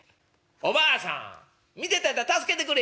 「おばあさん見てたんやったら助けてくれよ」。